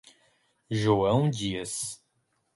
João Dias